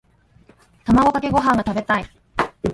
卵かけご飯が食べたい。